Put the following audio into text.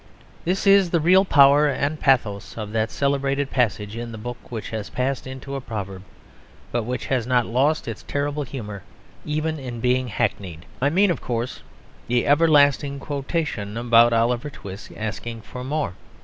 This is the real power and pathos of that celebrated passage in the book which has passed into a proverb; but which has not lost its terrible humour even in being hackneyed. I mean, of course, the everlasting quotation about Oliver Twist asking for more.